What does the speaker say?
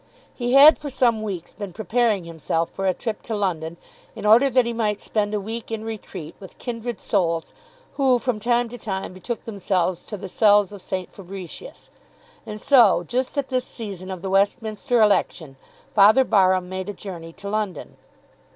He had for some weeks been preparing himself for a trip to London in order that he might spend a week in retreat with kindred souls who from time to time betook themselves to the cells of St. Fabricius. And so, just at this season of the Westminster election, Father Barham made a journey to London.